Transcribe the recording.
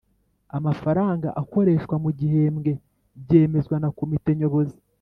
amafaranga akoreshwa mugihembwe byemezwa na Komite Nyobozi